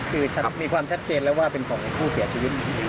คือมีความชัดเจนแล้วว่าเป็นของผู้เสียชีวิต